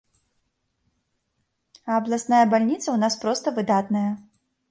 А абласная бальніца ў нас проста выдатная.